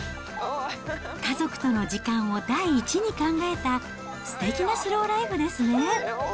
家族との時間を第一に考えた、すてきなスローライフですね。